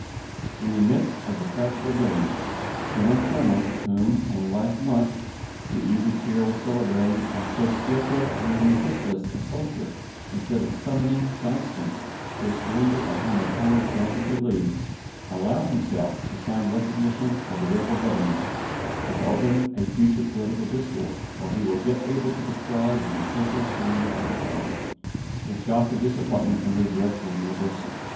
In the midst of the tragical days General Sherman, whom, only last month, the Easy Chair was celebrating as so skilful and resistless a soldier, instead of summoning Johnston to a surrender upon the terms granted to Lee, allowed himself to sign recognition of the rebel government and to open a future political discord, while he was yet able to prescribe the simple surrender of an army. The shock of disappointment and regret was universal.